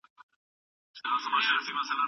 سياستپوهنه بايد له نورو ټولنيزو علومو بېله وساتل سي.